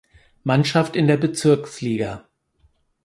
Mannschaft in der Bezirksliga.